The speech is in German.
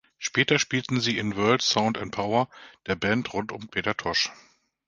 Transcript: Später spielten sie in „Word, Sound and Power“, der Band rund um Peter Tosh.